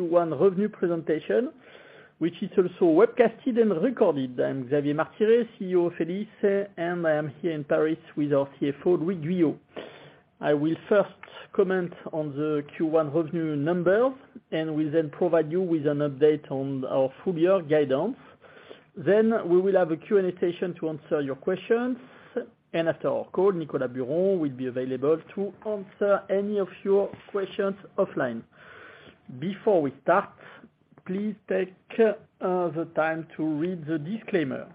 Q1 revenue presentation, which is also webcasted and recorded. I'm Xavier Martiré, CEO of Elis, and I am here in Paris with our CFO, Louis Guyot. I will first comment on the Q1 revenue numbers, and we then provide you with an update on our full year guidance. We will have a Q&A session to answer your questions. After our call, Nicolas Buron will be available to answer any of your questions offline. Before we start, please take the time to read the disclaimer.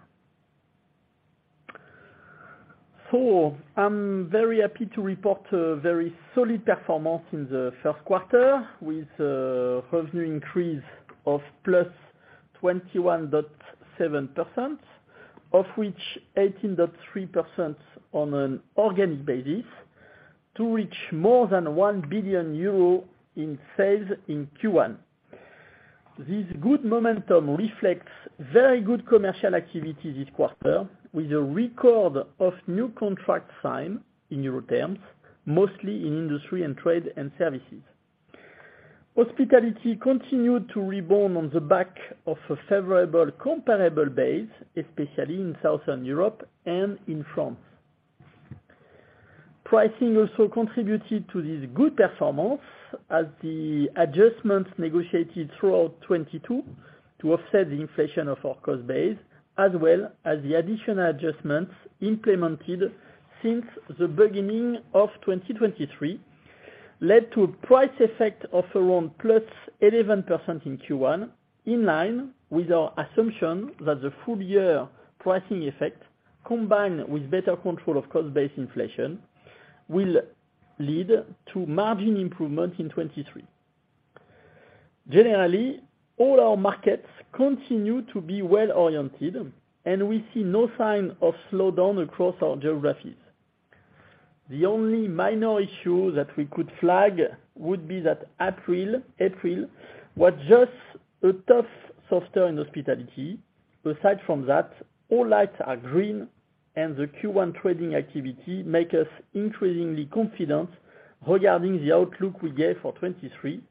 I'm very happy to report a very solid performance in the first quarter, with a revenue increase of +21.7%, of which 18.3% on an organic basis to reach more than 1 billion euro in sales in Q1. This good momentum reflects very good commercial activity this quarter, with a record of new contract signed in EUR terms, mostly in industry and trade and services. Hospitality continued to rebound on the back of a favorable comparable base, especially in Southern Europe and in France. Pricing also contributed to this good performance as the adjustments negotiated throughout 2022 to offset the inflation of our cost base, as well as the additional adjustments implemented since the beginning of 2023 led to a price effect of around +11% in Q1, in line with our assumption that the full year pricing effect, combined with better control of cost-based inflation, will lead to margin improvement in 2023. Generally, all our markets continue to be well-oriented, and we see no sign of slowdown across our geographies. The only minor issue that we could flag would be that April was just a tough softer in hospitality. Aside from that, all lights are green, and the Q1 trading activity make us increasingly confident regarding the outlook we gave for 2023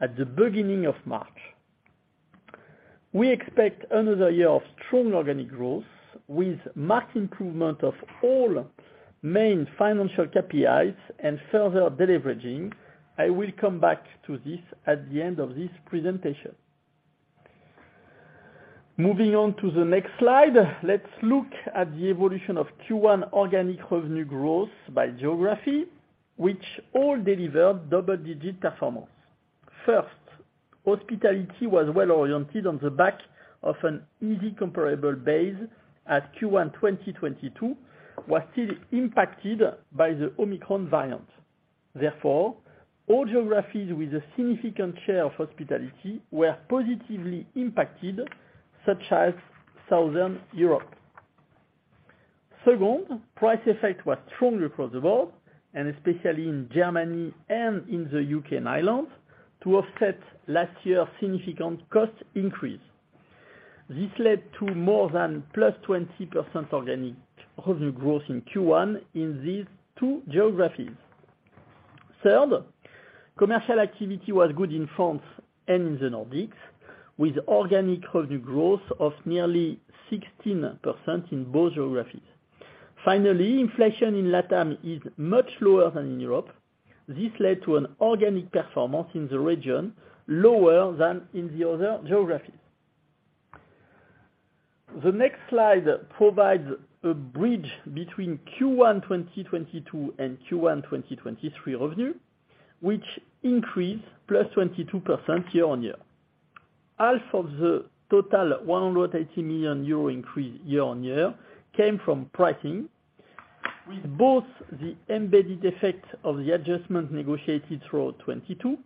at the beginning of March. We expect another year of strong organic growth with marked improvement of all main financial KPIs and further deleveraging. I will come back to this at the end of this presentation. Moving on to the next slide. Let's look at the evolution of Q1 organic revenue growth by geography, which all delivered double-digit performance. First, hospitality was well-oriented on the back of an easy comparable base, as Q1 2022 was still impacted by the Omicron variant. Therefore, all geographies with a significant share of hospitality were positively impacted, such as Southern Europe. Second, price effect was strong across the board, and especially in Germany and in the U.K. and Ireland, to offset last year's significant cost increase. This led to more than +20% organic revenue growth in Q1 in these two geographies. Third, commercial activity was good in France and in the Nordics, with organic revenue growth of nearly 16% in both geographies. Finally, inflation in LATAM is much lower than in Europe. This led to an organic performance in the region lower than in the other geographies. The next slide provides a bridge between Q1 2022 and Q1 2023 revenue, which increased +22% year-on-year. Half of the total 180 million euro increase year-on-year came from pricing, with both the embedded effect of the adjustment negotiated through 2022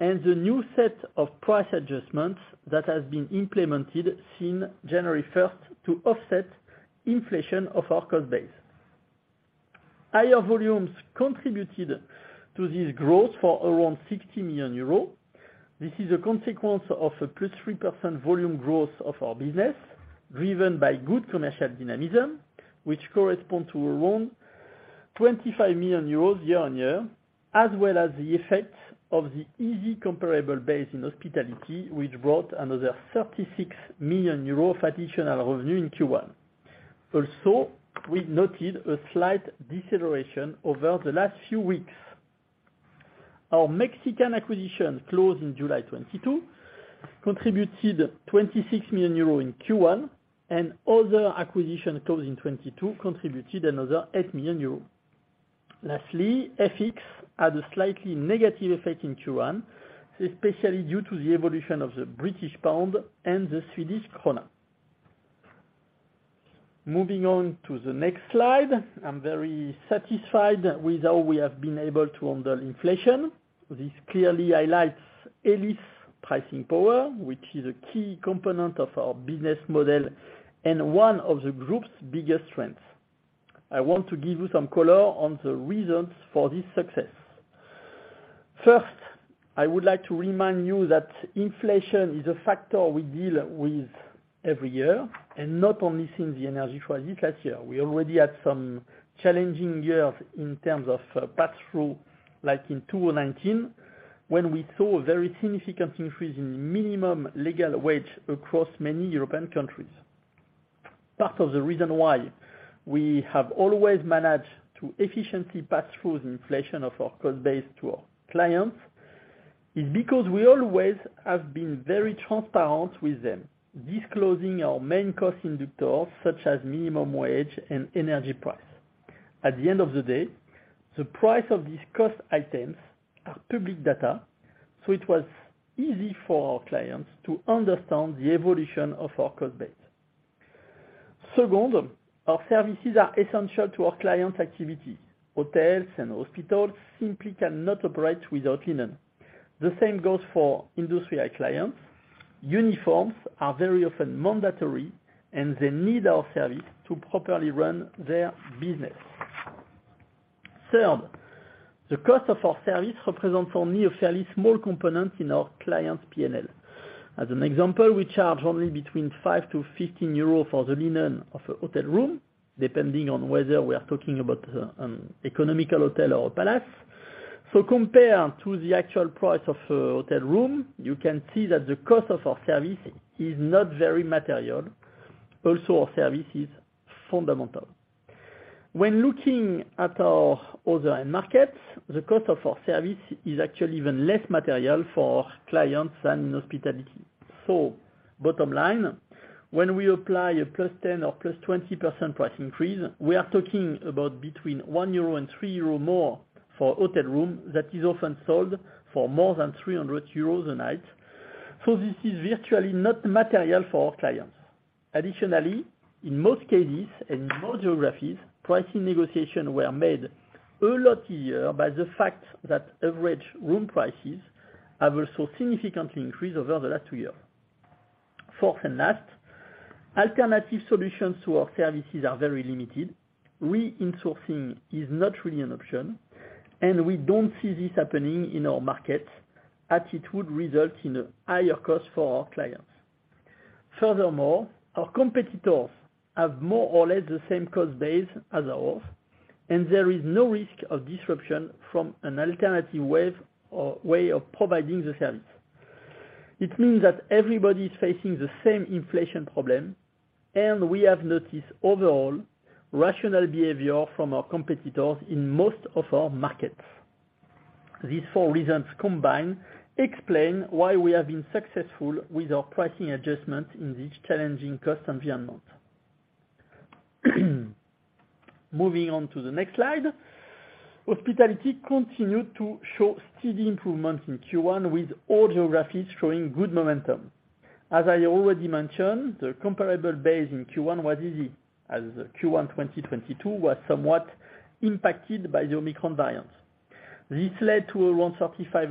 and the new set of price adjustments that has been implemented since January 1st to offset inflation of our cost base. Higher volumes contributed to this growth for around 60 million euros. This is a consequence of a +3% volume growth of our business, driven by good commercial dynamism, which correspond to around 25 million euros year-on-year, as well as the effect of the easy comparable base in hospitality, which brought another 36 million euro of additional revenue in Q1. We noted a slight deceleration over the last few weeks. Our Mexican acquisition closed in July 2022, contributed 26 million euros in Q1, and other acquisition closed in 2022 contributed another 8 million euros. Lastly, FX had a slightly negative effect in Q1, especially due to the evolution of the British pound and the Swedish krona. Moving on to the next slide. I'm very satisfied with how we have been able to handle inflation. This clearly highlights Elis' pricing power, which is a key component of our business model and one of the group's biggest strengths. I want to give you some color on the reasons for this success. First, I would like to remind you that inflation is a factor we deal with every year, and not only since the energy crisis last year. We already had some challenging years in terms of pass through, like in 2019, when we saw a very significant increase in minimum legal wage across many European countries. Part of the reason why we have always managed to efficiently pass through the inflation of our cost base to our clients, is because we always have been very transparent with them, disclosing our main cost inductors such as minimum wage and energy price. At the end of the day, the price of these cost items are public data, so it was easy for our clients to understand the evolution of our cost base. Second, our services are essential to our clients' activities. Hotels and hospitals simply cannot operate without linen. The same goes for industrial clients. Uniforms are very often mandatory, and they need our service to properly run their business. Third, the cost of our service represents only a fairly small component in our clients' P&L. As an example, we charge only between 5 EUR and 15 euros for the linen of a hotel room, depending on whether we are talking about economical hotel or a palace. Compared to the actual price of a hotel room, you can see that the cost of our service is not very material. Also, our service is fundamental. When looking at our other end markets, the cost of our service is actually even less material for our clients than in hospitality. Bottom line, when we apply a +10% or +20% price increase, we are talking about between 1 euro and 3 euro more for hotel room that is often sold for more than 300 euros a night. This is virtually not material for our clients. Additionally, in most cases and in more geographies, pricing negotiation were made a lot easier by the fact that average room prices have also significantly increased over the last 2 years. Fourth and last, alternative solutions to our services are very limited. Re-insourcing is not really an option, and we don't see this happening in our market as it would result in a higher cost for our clients. Furthermore, our competitors have more or less the same cost base as ours, and there is no risk of disruption from an alternative way of providing the service. It means that everybody is facing the same inflation problem, and we have noticed overall rational behavior from our competitors in most of our markets. These 4 reasons combined explain why we have been successful with our pricing adjustment in this challenging cost environment. Moving on to the next slide. Hospitality continued to show steady improvement in Q1, with all geographies showing good momentum. As I already mentioned, the comparable base in Q1 was easy, as Q1 2022 was somewhat impacted by the Omicron variant. This led to around additional 35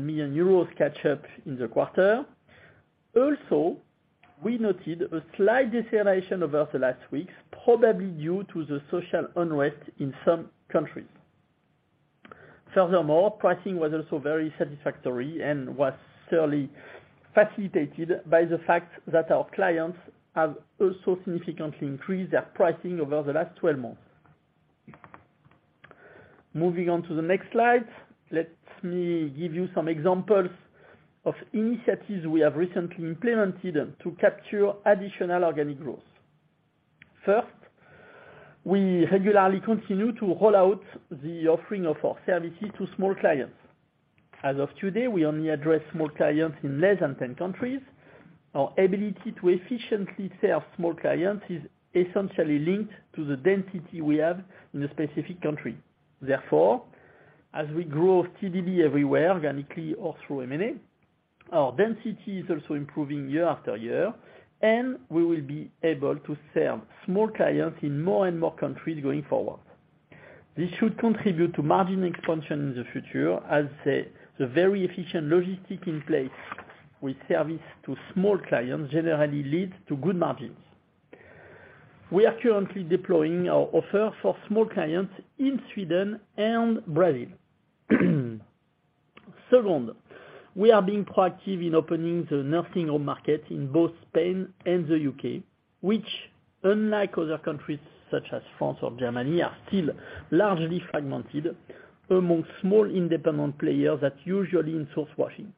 million euros catch up in the quarter. We noted a slight deceleration over the last weeks, probably due to the social unrest in some countries. Pricing was also very satisfactory and was surely facilitated by the fact that our clients have also significantly increased their pricing over the last 12 months. Moving on to the next slide, let me give you some examples of initiatives we have recently implemented to capture additional organic growth. We regularly continue to roll out the offering of our services to small clients. As of today, we only address small clients in less than 10 countries. Our ability to efficiently serve small clients is essentially linked to the density we have in a specific country. As we grow TDB everywhere, organically or through M&A, our density is also improving year after year, and we will be able to serve small clients in more and more countries going forward. This should contribute to margin expansion in the future, as the very efficient logistic in place with service to small clients generally leads to good margins. We are currently deploying our offer for small clients in Sweden and Brazil. We are being proactive in opening the nursing home market in both Spain and the U.K., which unlike other countries such as France or Germany, are still largely fragmented among small independent players that usually in-source washing.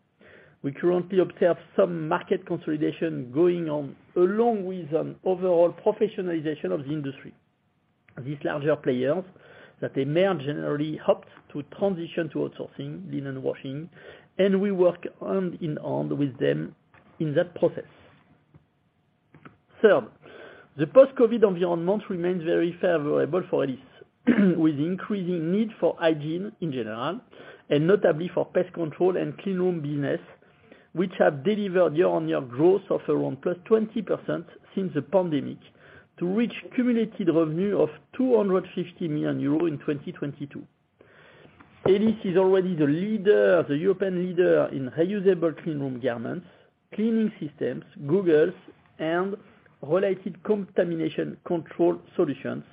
We currently observe some market consolidation going on along with an overall professionalization of the industry. These larger players may have generally helped to transition to outsourcing linen washing. We work hand in hand with them in that process. Third, the post-COVID environment remains very favorable for Elis. With increasing need for hygiene in general, and notably for pest control and cleanroom business, which have delivered year-on-year growth of around +20% since the pandemic to reach cumulative revenue of 250 million euros in 2022. Elis is already the leader, the European leader in reusable cleanroom garments, cleaning systems, goggles and related contamination control solutions.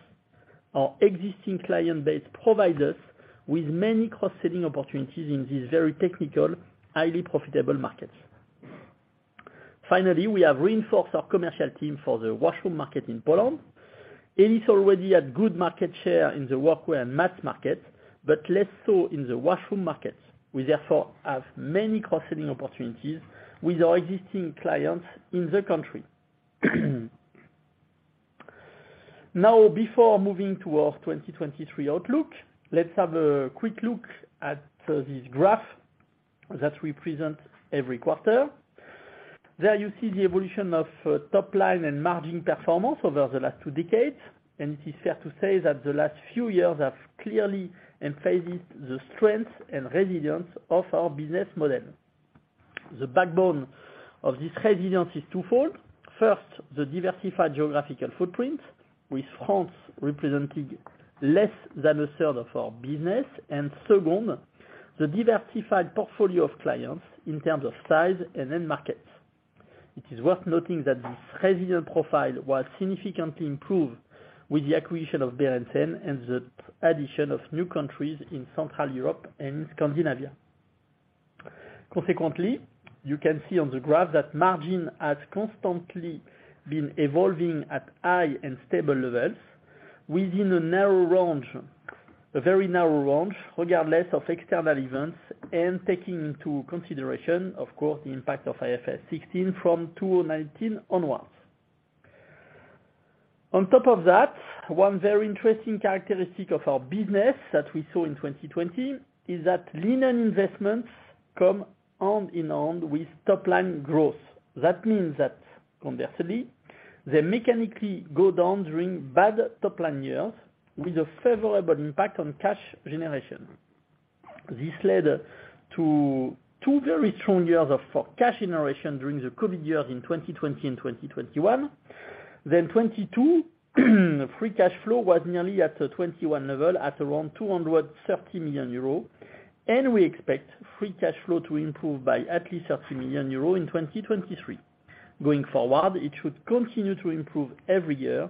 Our existing client base provides us with many cross-selling opportunities in these very technical, highly profitable markets. Finally, we have reinforced our commercial team for the washroom market in Poland. It's already at good market share in the workwear mass market, but less so in the washroom market. We therefore have many cross-selling opportunities with our existing clients in the country. Before moving to our 2023 outlook, let's have a quick look at this graph that we present every quarter. There you see the evolution of top line and margin performance over the last two decades. It is fair to say that the last few years have clearly emphasized the strength and resilience of our business model. The backbone of this resilience is twofold. First, the diversified geographical footprint, with France representing less than a third of our business. Second, the diversified portfolio of clients in terms of size and end markets. It is worth noting that this resilient profile was significantly improved with the acquisition of Berendsen, and the addition of new countries in Central Europe and Scandinavia. Consequently, you can see on the graph that margin has constantly been evolving at high and stable levels within a narrow range, a very narrow range, regardless of external events, and taking into consideration, of course, the impact of IFRS 16 from 2019 onwards. On top of that, one very interesting characteristic of our business that we saw in 2020 is that linen investments come hand in hand with top-line growth. That means that conversely, they mechanically go down during bad top line years with a favorable impact on cash generation. This led to two very strong years for cash generation during the COVID years in 2020 and 2021. 2022, free cash flow was nearly at the 2021 level at around 230 million euro, and we expect free cash flow to improve by at least 30 million euro in 2023. Going forward, it should continue to improve every year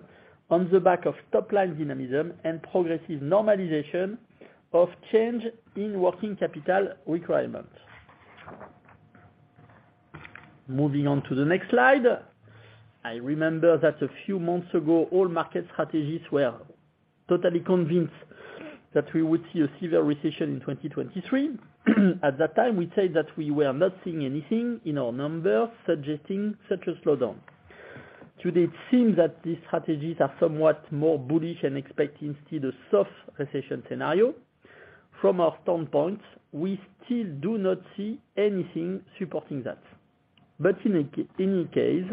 on the back of top line dynamism and progressive normalization of change in working capital requirements. Moving on to the next slide. I remember that a few months ago, all market strategies were totally convinced that we would see a severe recession in 2023. At that time, we said that we were not seeing anything in our numbers suggesting such a slowdown. Today, it seems that these strategies are somewhat more bullish and expect instead a soft recession scenario. From our standpoint, we still do not see anything supporting that. In any case,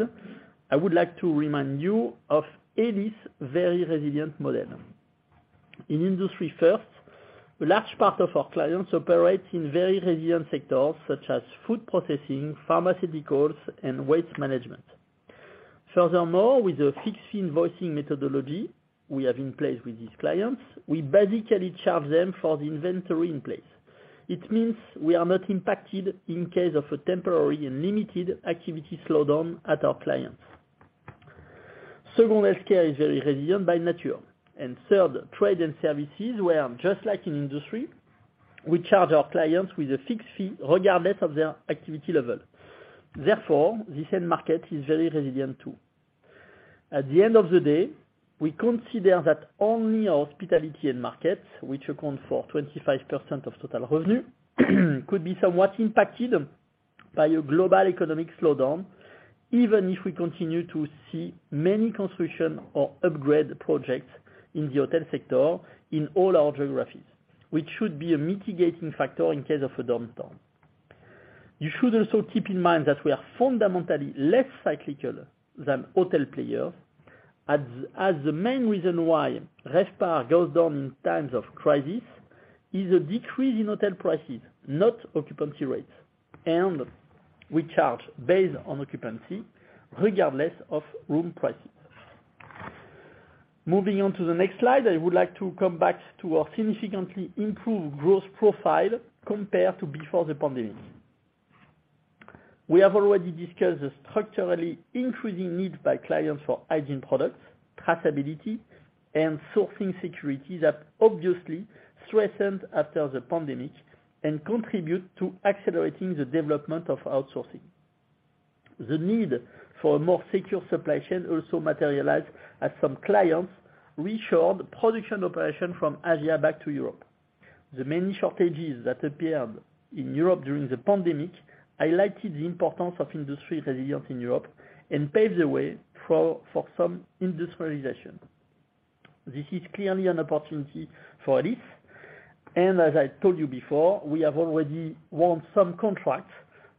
I would like to remind you of Elis' very resilient model. In industry first, a large part of our clients operate in very resilient sectors such as food processing, pharmaceuticals and waste management. Furthermore, with the fixed fee invoicing methodology we have in place with these clients, we basically charge them for the inventory in place. It means we are not impacted in case of a temporary and limited activity slowdown at our clients. Second, healthcare is very resilient by nature. Third, trade and services where just like in industry, we charge our clients with a fixed fee regardless of their activity level. Therefore, this end market is very resilient too. At the end of the day, we consider that only our hospitality end market, which account for 25% of total revenue, could be somewhat impacted by a global economic slowdown, even if we continue to see many construction or upgrade projects in the hotel sector in all our geographies, which should be a mitigating factor in case of a downturn. You should also keep in mind that we are fundamentally less cyclical than hotel players, as the main reason why RevPAR goes down in times of crisis is a decrease in hotel prices, not occupancy rates. We charge based on occupancy regardless of room prices. Moving on to the next slide. I would like to come back to our significantly improved growth profile compared to before the pandemic. We have already discussed the structurally increasing needs by clients for hygiene products, traceability and sourcing security that obviously strengthened after the pandemic and contribute to accelerating the development of outsourcing. The need for a more secure supply chain also materialized as some clients reshored production operation from Asia back to Europe. The many shortages that appeared in Europe during the pandemic highlighted the importance of industry resilient in Europe and paved the way for some industrialization. This is clearly an opportunity for Elis, and as I told you before, we have already won some contracts,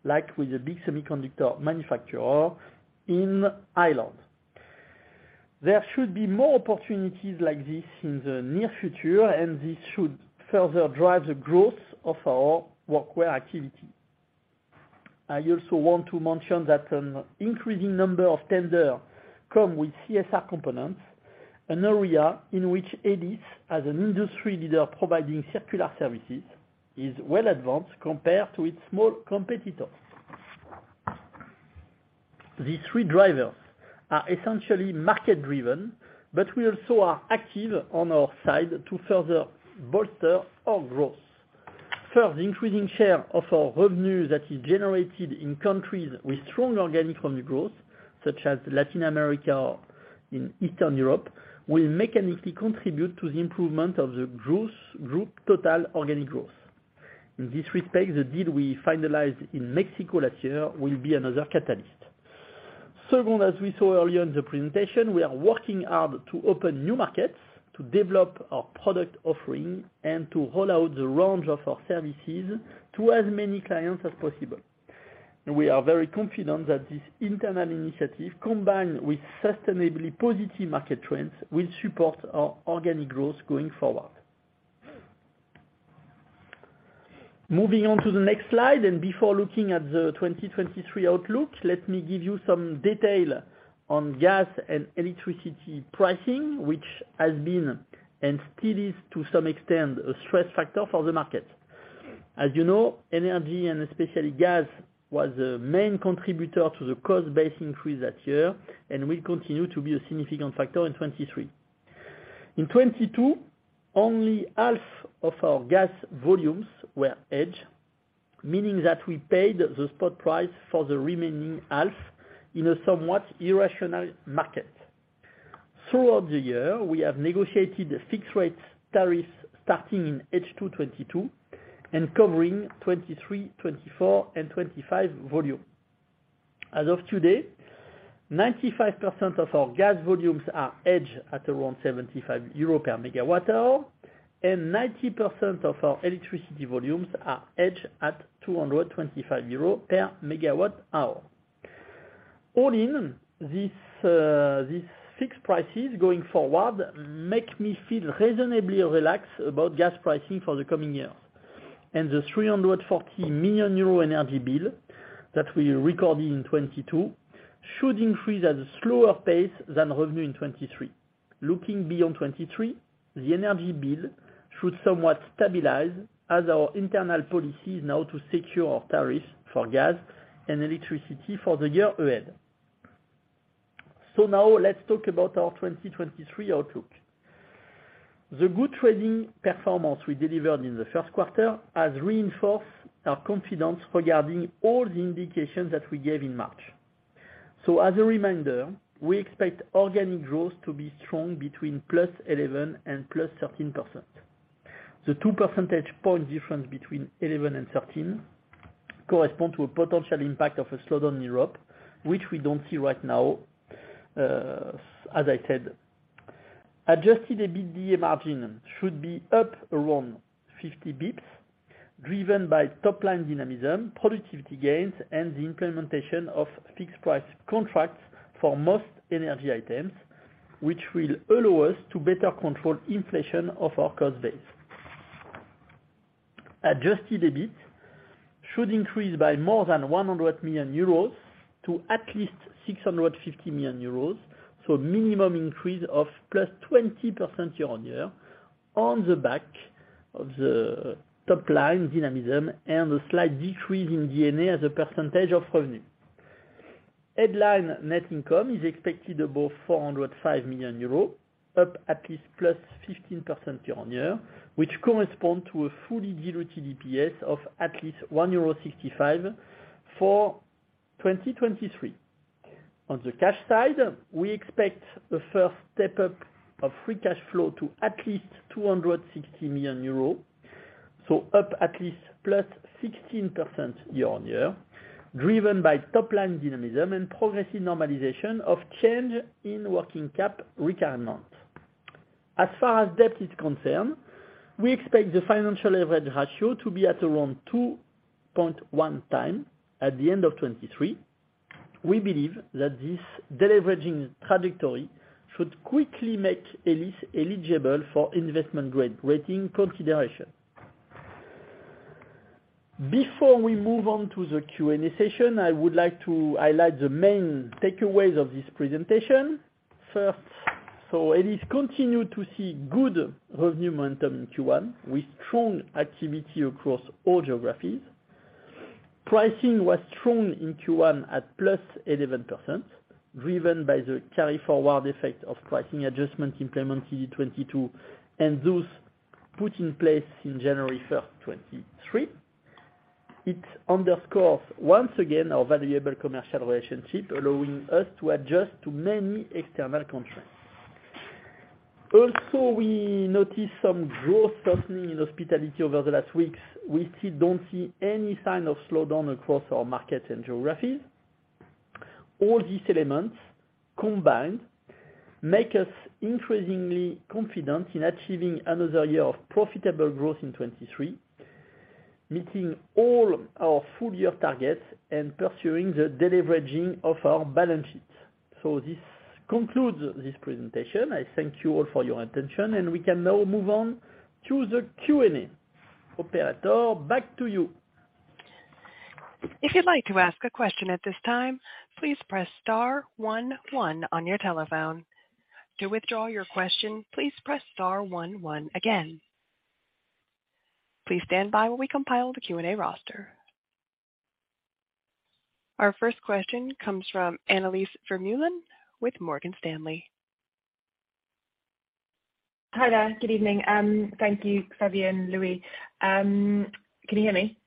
like with a big semiconductor manufacturer in Ireland. There should be more opportunities like this in the near future, and this should further drive the growth of our workwear activity. I also want to mention that an increasing number of tender come with CSR components, an area in which Elis, as an industry leader providing circular services, is well advanced compared to its small competitors. These three drivers are essentially market driven, but we also are active on our side to further bolster our growth. First, increasing share of our revenue that is generated in countries with strong organic revenue growth, such as Latin America or in Eastern Europe, will mechanically contribute to the improvement of the group total organic growth. In this respect, the deal we finalized in Mexico last year will be another catalyst. Second, as we saw earlier in the presentation, we are working hard to open new markets, to develop our product offering, and to roll out the range of our services to as many clients as possible. We are very confident that this internal initiative, combined with sustainably positive market trends, will support our organic growth going forward. Moving on to the next slide, before looking at the 2023 outlook, let me give you some detail on gas and electricity pricing, which has been, and still is to some extent, a stress factor for the market. As you know, energy, and especially gas, was a main contributor to the cost base increase that year and will continue to be a significant factor in 2023. In 2022, only half of our gas volumes were hedged, meaning that we paid the spot price for the remaining half in a somewhat irrational market. Throughout the year, we have negotiated fixed rates tariffs starting in H2 2022 and covering 2023, 2024, and 2025 volume. As of today, 95% of our gas volumes are hedged at around 75 euros per megawatt hour, and 90% of our electricity volumes are hedged at 225 euros per megawatt hour. All in, these these fixed prices going forward make me feel reasonably relaxed about gas pricing for the coming years. The 340 million euro energy bill that we recorded in 2022 should increase at a slower pace than revenue in 2023. Looking beyond 2023, the energy bill should somewhat stabilize as our internal policy is now to secure our tariffs for gas and electricity for the year ahead. Now let's talk about our 2023 outlook. The good trading performance we delivered in the first quarter has reinforced our confidence regarding all the indications that we gave in March. As a reminder, we expect organic growth to be strong between +11% and +13%. The 2 percentage point difference between 11 and 13 correspond to a potential impact of a slowdown in Europe, which we don't see right now, as I said. Adjusted EBITDA margin should be up around 50 basis points, driven by top-line dynamism, productivity gains, and the implementation of fixed price contracts for most energy items, which will allow us to better control inflation of our cost base. Adjusted EBIT should increase by more than 100 million euros to at least 650 million euros, so a minimum increase of +20% year-on-year on the back of the top line dynamism and a slight decrease in D&A as a percentage of revenue. Headline net income is expected above 405 million euros, up at least +15% year-on-year, which correspond to a fully diluted EPS of at least 1.65 euro for 2023. On the cash side, we expect the first step up of free cash flow to at least 260 million euros, so up at least +16% year-on-year, driven by top line dynamism and progressive normalization of change in working cap requirement. As far as debt is concerned, we expect the financial leverage ratio to be at around 2.1x at the end of 2023. We believe that this deleveraging trajectory should quickly make Elis eligible for investment grade rating consideration. Before we move on to the Q&A session, I would like to highlight the main takeaways of this presentation. First, Elis continued to see good revenue momentum in Q1 with strong activity across all geographies. Pricing was strong in Q1 at +11%, driven by the carry forward effect of pricing adjustments implemented in 2022 and those put in place in January 1, 2023. It underscores once again our valuable commercial relationship, allowing us to adjust to many external constraints. Also, we noticed some growth softening in hospitality over the last weeks. We still don't see any sign of slowdown across our markets and geographies. All these elements combined make us increasingly confident in achieving another year of profitable growth in 2023, meeting all our full year targets and pursuing the deleveraging of our balance sheet. This concludes this presentation. I thank you all for your attention and we can now move on to the Q&A. Operator, back to you. If you'd like to ask a question at this time, please press star one one on your telephone. To withdraw your question, please press star one one again. Please stand by while we compile the Q&A roster. Our first question comes from Annelies Vermeulen with Morgan Stanley. Hi there. Good evening. Thank you, Xavier and Louis. Can you hear me?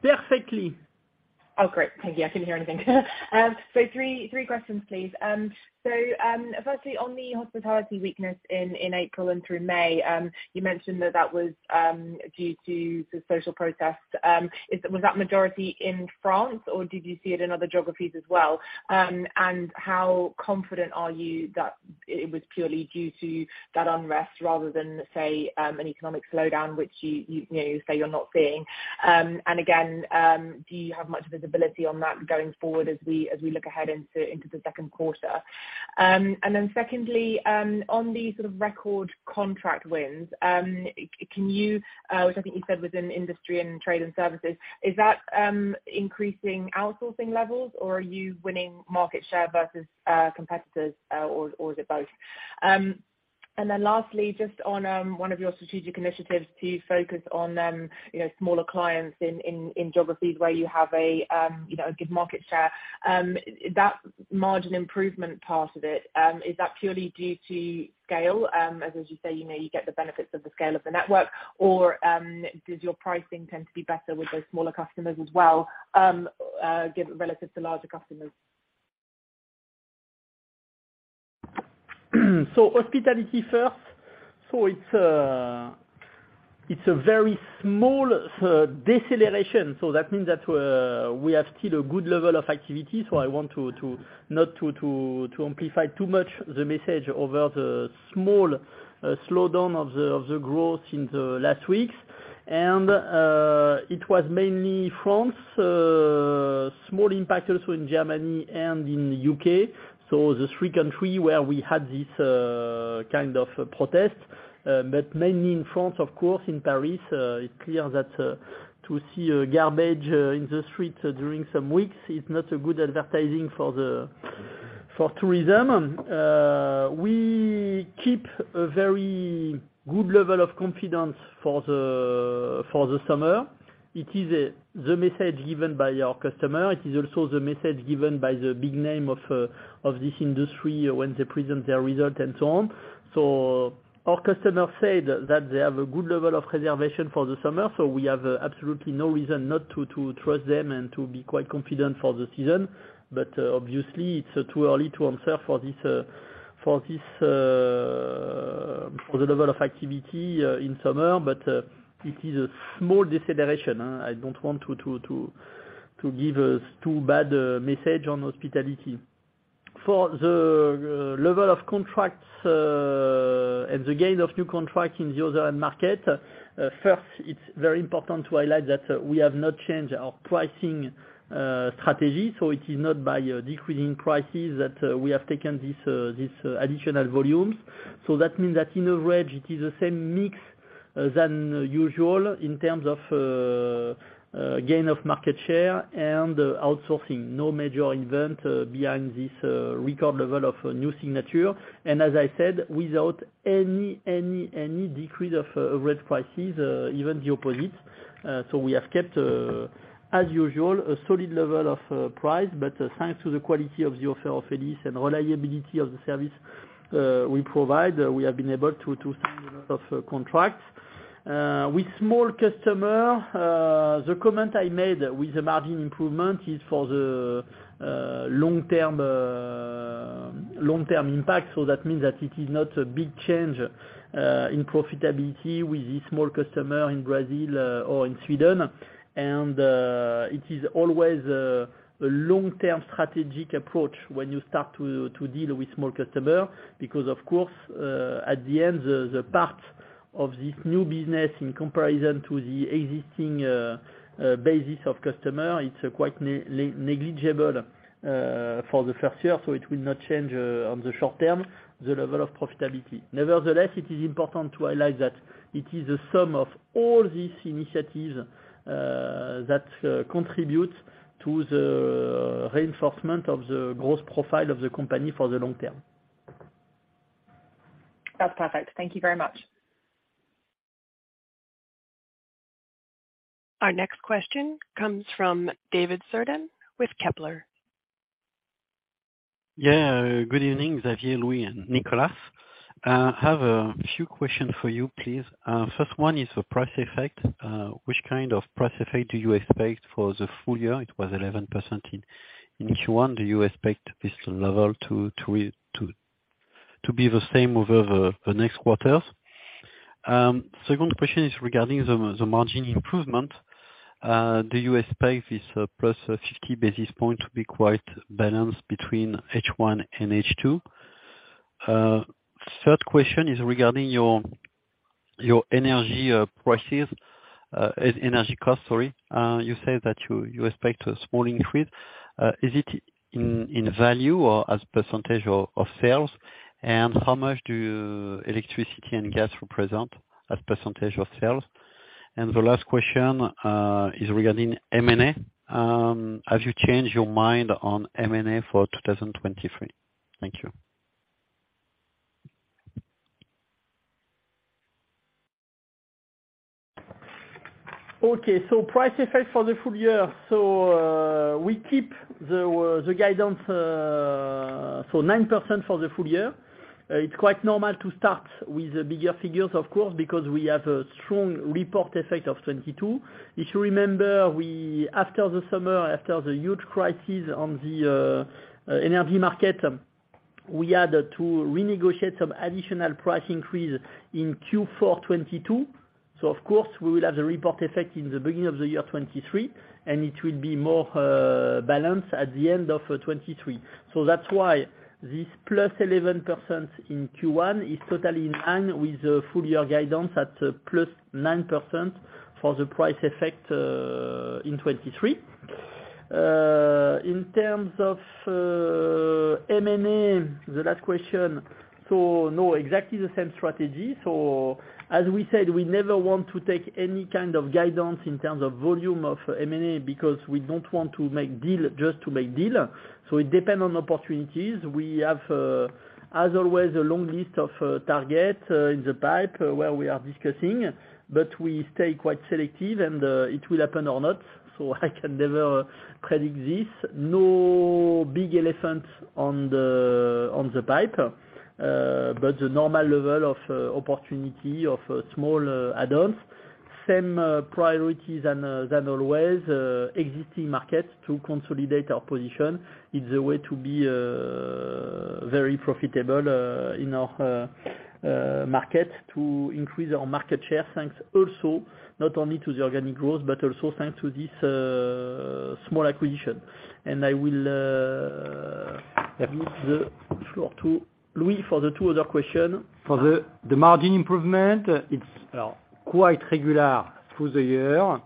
Perfectly. Oh, great. Thank you. I couldn't hear anything. Three questions, please. Firstly on the hospitality weakness in April and through May, you mentioned that was due to the social protests. Was that majority in France, or did you see it in other geographies as well? How confident are you that it was purely due to that unrest rather than, say, an economic slowdown, which you know, you say you're not seeing? Again, do you have much visibility on that going forward as we look ahead into the second quarter? Secondly, on the sort of record contract wins, can you, which I think you said was in industry and trade and services, is that increasing outsourcing levels, or are you winning market share versus competitors, or is it both? Lastly, just on one of your strategic initiatives to focus on, you know, smaller clients in geographies where you have a, you know, a good market share, that margin improvement part of it, is that purely due to scale, as you say, you know, you get the benefits of the scale of the network? Or does your pricing tend to be better with those smaller customers as well, relative to larger customers? Hospitality first. It's a very small deceleration, so that means that we have still a good level of activity. I want not to amplify too much the message over the small slowdown of the growth in the last weeks. It was mainly France. Small impact also in Germany and in U.K., so the three country where we had this kind of protest, but mainly in France, of course, in Paris. It's clear that to see garbage in the street during some weeks is not a good advertising for tourism. We keep a very good level of confidence for the summer. It is the message given by our customer. It is also the message given by the big name of this industry when they present their result and so on. Our customers said that they have a good level of reservation for the summer. We have absolutely no reason not to trust them and to be quite confident for the season. Obviously, it's too early to answer for this, for this, for the level of activity in summer. It is a small deceleration. I don't want to give a too bad message on hospitality. For the level of contracts, and the gain of new contracts in the other market, first, it's very important to highlight that we have not changed our pricing strategy, so it is not by decreasing prices that we have taken these additional volumes. That means that in average, it is the same mix than usual in terms of gain of market share and outsourcing. No major event behind this record level of new signature. As I said, without any decrease of rate prices, even the opposite. We have kept, as usual, a solid level of price, but thanks to the quality of the offer of Elis and reliability of the service we provide, we have been able to sign a lot of contracts. With small customer, the comment I made with the margin improvement is for the long-term, long-term impact, so that means that it is not a big change in profitability with the small customer in Brazil or in Sweden. It is always a long-term strategic approach when you start to deal with small customer, because of course, at the end, the part of this new business in comparison to the existing basis of customer, it's quite negligible for the first year, so it will not change on the short term, the level of profitability. Nevertheless, it is important to highlight that it is the sum of all these initiatives that contribute to the reinforcement of the growth profile of the company for the long term. That's perfect. Thank you very much. Our next question comes from David Cerdan with Kepler. Yeah. Good evening, Xavier, Louis and Nicolas. I have a few question for you, please. First one is the price effect. Which kind of price effect do you expect for the full year? It was 11% in Q1. Do you expect this level to be the same over the next quarters? Second question is regarding the margin improvement. Do you expect this +50 basis point to be quite balanced between H1 and H2? Third question is regarding your energy prices, energy cost, sorry. You said that you expect a small increase. Is it in value or as % of sales? How much do electricity and gas represent as percentage of sales? The last question is regarding M&A. Have you changed your mind on M&A for 2023? Thank you. Okay. Price effect for the full year. We keep the guidance for 9% for the full year. It's quite normal to start with the bigger figures, of course, because we have a strong report effect of 2022. If you remember, After the summer, after the huge crisis on the energy market, we had to renegotiate some additional price increase in Q4 2022. Of course, we will have the report effect in the beginning of the year 2023, and it will be more balanced at the end of 2023. That's why this +11% in Q1 is totally in line with the full year guidance at +9% for the price effect in 2023. In terms of M&A, the last question. No, exactly the same strategy. As we said, we never want to take any kind of guidance in terms of volume of M&A, because we don't want to make deal just to make deal. It depends on opportunities. We have, as always, a long list of targets in the pipe where we are discussing, but we stay quite selective and it will happen or not. I can never predict this. No big elephant on the pipe, but the normal level of opportunity of small add-ons. Same priority than always, existing markets to consolidate our position. It's a way to be very profitable in our market to increase our market share. Thanks also not only to the organic growth, but also thanks to this small acquisition. I will give the floor to Louis for the two other questions. For the margin improvement, it's quite regular through the year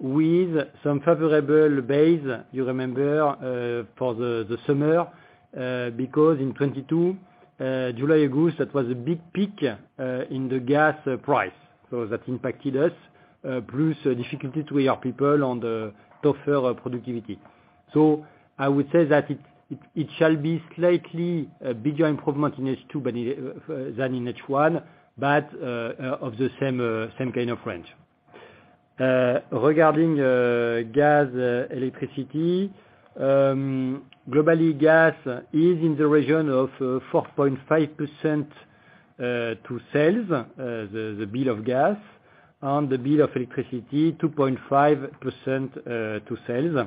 with some favorable base, you remember, for the summer, because in 2022, July, August, that was a big peak in the gas price. That impacted us. Plus difficulty to our people on the tougher productivity. I would say that it shall be slightly a bigger improvement in H2 than in H1, but of the same kind of range. Regarding gas, electricity, globally, gas is in the region of 4.5% to sales, the bill of gas. On the bill of electricity, 2.5% to sales,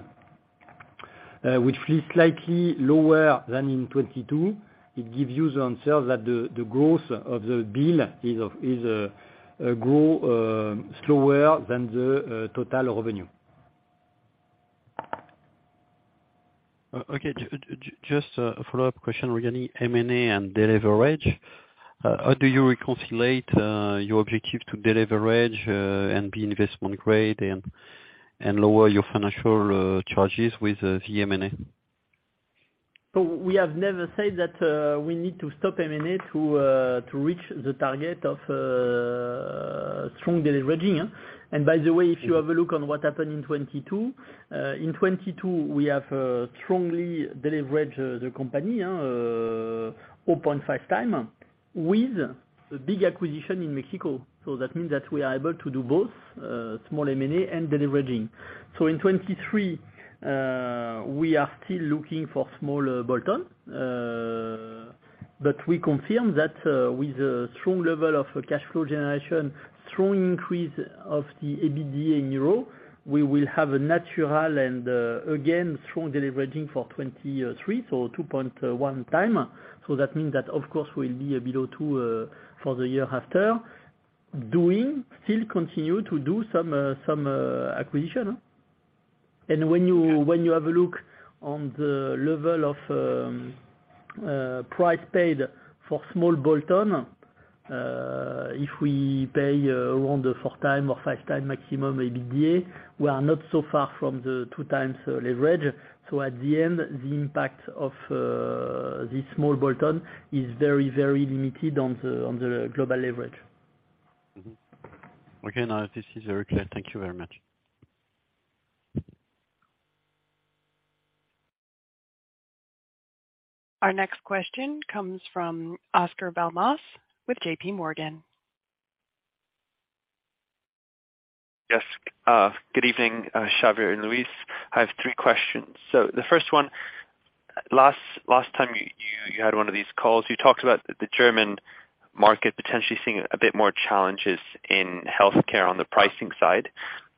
which is slightly lower than in 2022. It gives you the answer that the growth of the bill is slower than the total revenue. Okay. Just a follow-up question regarding M&A and de-leverage. How do you reconciliate your objective to de-leverage, and be investment grade and lower your financial charges with the M&A? We have never said that we need to stop M&A to reach the target of strong deleveraging. By the way, if you have a look on what happened in 2022, in 2022, we have strongly deleveraged the company, 5x with a big acquisition in Mexico. That means that we are able to do both, small M&A and deleveraging. In 2023, we are still looking for small bolt-on, but we confirm that with a strong level of cash flow generation, strong increase of the EBITDA in euro, we will have a natural and again, strong deleveraging for 2023, 2.1x. That means that of course, we'll be below 2x for the year after, still continue to do some acquisition. When you have a look on the level of price paid for small bolt-on, if we pay around the 4x or 5x maximum EBITDA, we are not so far from the 2x leverage. At the end, the impact of this small bolt-on is very, very limited on the global leverage. Mm-hmm. Okay, now this is very clear. Thank you very much. Our next question comes from Oscar Belmass with JPMorgan. Yes. Good evening, Xavier and Louis. I have three questions. The first one, last time you had one of these calls, you talked about the German market potentially seeing a bit more challenges in healthcare on the pricing side.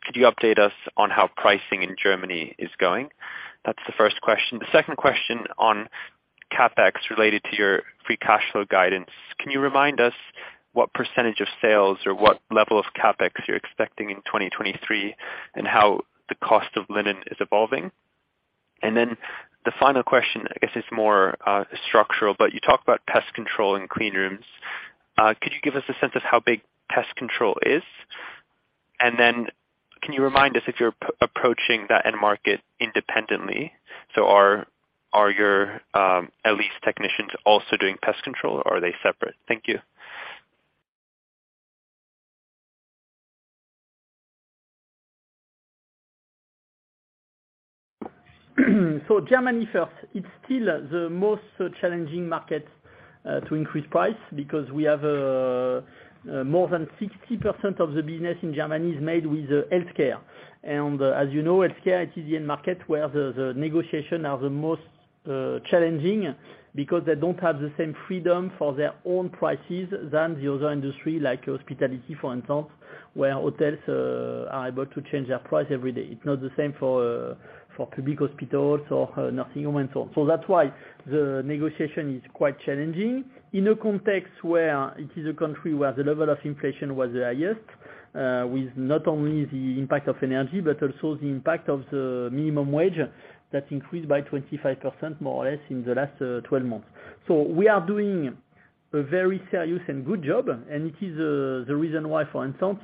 Could you update us on how pricing in Germany is going? That's the first question. The second question on CapEx related to your free cash flow guidance. Can you remind us what percentage of sales or what level of CapEx you're expecting in 2023, and how the cost of linen is evolving? The final question, I guess, is more structural, but you talked about pest control and cleanroom. Could you give us a sense of how big pest control is? Can you remind us if you're approaching that end market independently? Are your Elis technicians also doing pest control or are they separate? Thank you. Germany first, it's still the most challenging market to increase price because we have more than 60% of the business in Germany is made with healthcare. As you know, healthcare is still the market where the negotiation are the most challenging because they don't have the same freedom for their own prices than the other industry, like hospitality, for instance, where hotels are able to change their price every day. It's not the same for public hospitals or nothing, and so on. That's why the negotiation is quite challenging in a context where it is a country where the level of inflation was the highest, with not only the impact of energy, but also the impact of the minimum wage that increased by 25% more or less in the last 12 months. We are doing a very serious and good job. It is the reason why, for instance,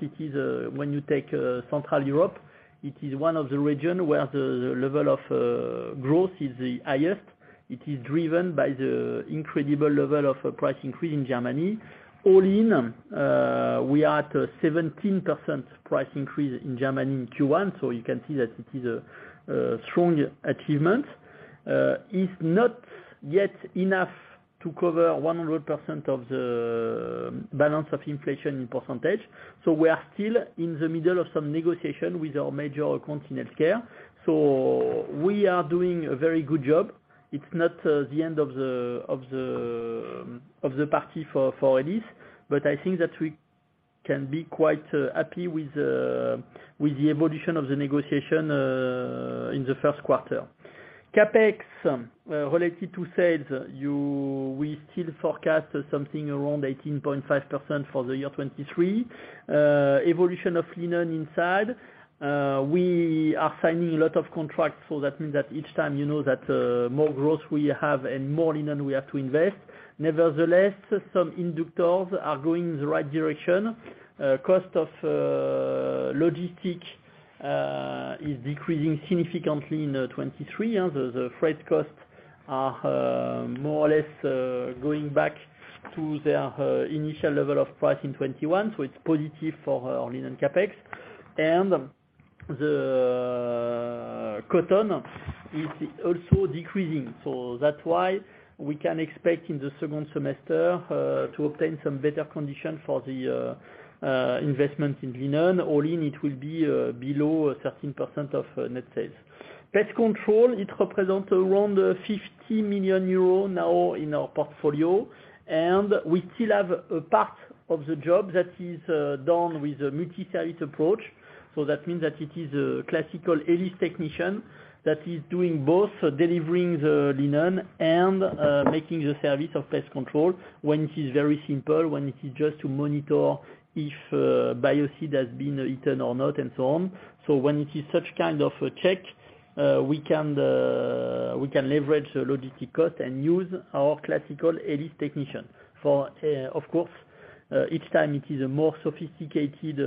when you take Central Europe, it is one of the region where the level of growth is the highest. It is driven by the incredible level of price increase in Germany. All in, we are at 17% price increase in Germany in Q1. You can see that it is a strong achievement. It's not yet enough to cover 100% of the balance of inflation in percentage. We are still in the middle of some negotiation with our major accounts in healthcare. We are doing a very good job. It's not the end of the party for Elis, but I think that we can be quite happy with the evolution of the negotiation in the first quarter. CapEx related to sales, we still forecast something around 18.5% for the year 2023. Evolution of linen inside, we are signing a lot of contracts, so that means that each time you know that, more growth we have and more linen we have to invest. Nevertheless, some inductors are going the right direction. Cost of logistic is decreasing significantly in 2023. The freight costs are more or less going back to their initial level of price in 2021, so it's positive for our linen CapEx. The cotton is also decreasing. That's why we can expect in the second semester, to obtain some better conditions for the investment in linen. All in it will be below 13% of net sales. Pest control, it represent around 50 million euros now in our portfolio, and we still have a part of the job that is done with a multi-service approach. That means that it is a classical Elis technician that is doing both delivering the linen and making the service of Pest control when it is very simple, when it is just to monitor if a biocide has been eaten or not, and so on. When it is such kind of a check, we can leverage the logistic cost and use our classical Elis technician. Of course, each time it is a more sophisticated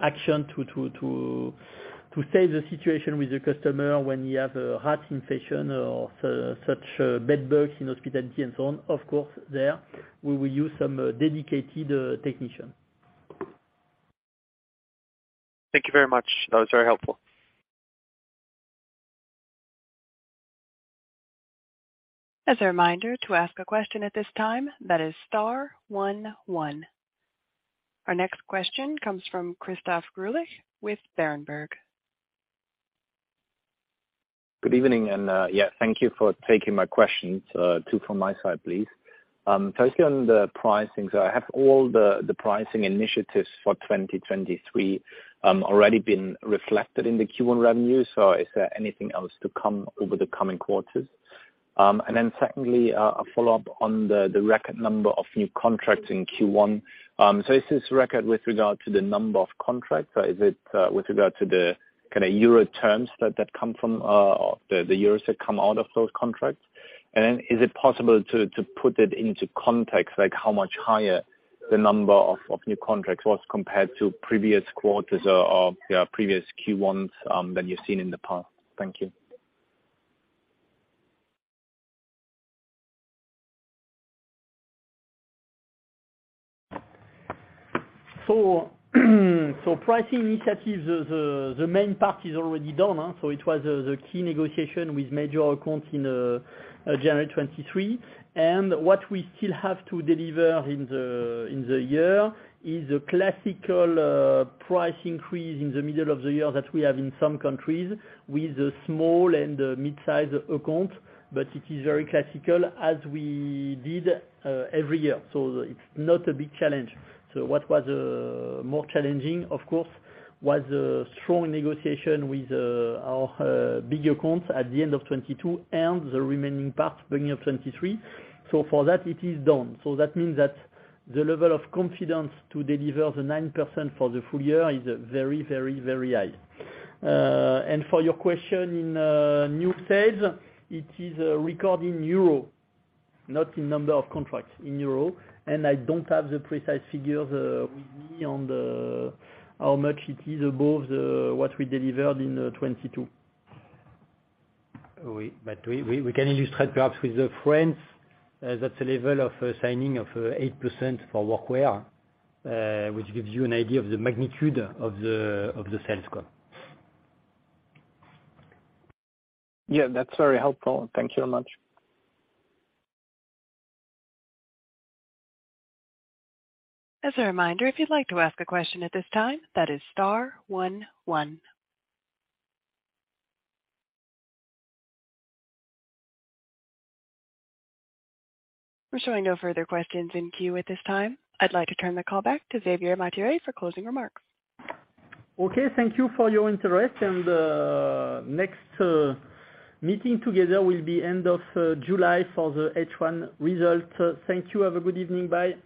action to save the situation with the customer when you have a rat infection or such bedbugs in hospitality and so on, of course, there we will use some dedicated technician. Thank you very much. That was very helpful. As a reminder, to ask a question at this time, that is star one one. Our next question comes from Christoph Greulich with Berenberg. Good evening. Thank you for taking my questions. Two from my side, please. Firstly on the pricing. Have all the pricing initiatives for 2023 already been reflected in the Q1 revenues, or is there anything else to come over the coming quarters? Secondly, a follow-up on the record number of new contracts in Q1. Is this record with regard to the number of contracts, or is it with regard to the kinda EUR terms that come from the EUR that come out of those contracts? Is it possible to put it into context, like how much higher the number of new contracts was compared to previous quarters or, you know, previous Q1s that you've seen in the past? Thank you. Pricing initiatives, the main part is already done. It was the key negotiation with major accounts in January 2023. What we still have to deliver in the year is a classical price increase in the middle of the year that we have in some countries with the small and midsize account, but it is very classical as we did every year. It's not a big challenge. What was more challenging, of course, was a strong negotiation with our bigger accounts at the end of 2022 and the remaining part bringing up 2023. For that it is done. That means that the level of confidence to deliver the 9% for the full year is very, very, very high. For your question, in new sales, it is record in EUR, not in number of contracts, in EUR. I don't have the precise figures with me on the, how much it is above the, what we delivered in 2022. We can illustrate perhaps with France, that's a level of signing of 8% for workwear, which gives you an idea of the magnitude of the sales growth. Yeah, that's very helpful. Thank you very much. As a reminder, if you'd like to ask a question at this time, that is star one one. We're showing no further questions in queue at this time. I'd like to turn the call back to Xavier Martiré for closing remarks. Okay. Thank you for your interest. Next meeting together will be end of July for the H1 results. Thank you. Have a good evening. Bye.